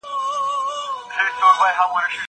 زه مخکي ځواب ليکلی و.